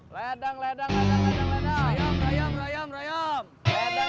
ledang ledang ledang ledang